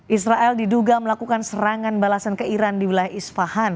israel diduga melakukan serangan balasan ke iran di wilayah isfahan